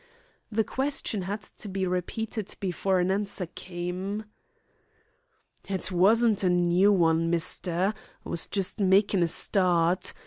The question had to be repeated before an answer came. "It wasn't a new 'un, mister. I was just makin' a stawt.